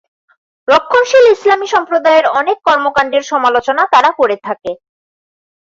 রক্ষণশীল ইসলামী সম্প্রদায়ের অনেক কর্মকাণ্ডের সমালোচনা তারা করে থাকে।